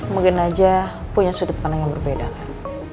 mungkin aja punya sudut pandang yang berbeda kan